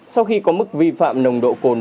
sau khi có mức vi phạm nồng độ cồn